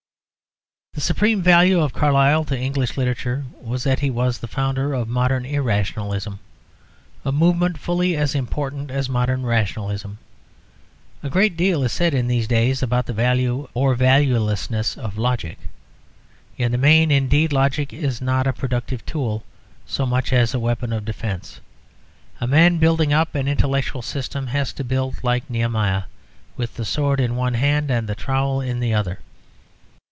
The supreme value of Carlyle to English literature was that he was the founder of modern irrationalism; a movement fully as important as modern rationalism. A great deal is said in these days about the value or valuelessness of logic. In the main, indeed, logic is not a productive tool so much as a weapon of defence. A man building up an intellectual system has to build like Nehemiah, with the sword in one hand and the trowel in the other.